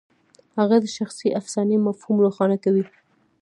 هغه د شخصي افسانې مفهوم روښانه کوي.